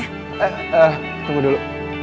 eh eh tunggu dulu